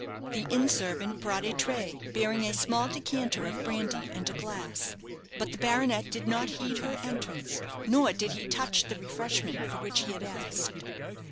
The inn servant brought a tray, bearing a small decanter of brandy and a glass. But the baronet did not heed her entrance, nor did he touch the refreshment for which he had asked.